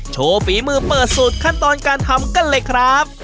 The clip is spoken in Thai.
ฝีมือเปิดสูตรขั้นตอนการทำกันเลยครับ